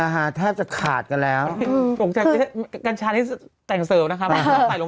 อาหารแทบจะขาดกันแล้วคือกัญชานี่แต่งเสิร์ฟนะครับ